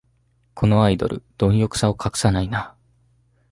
このアイドル、どん欲さを隠さないな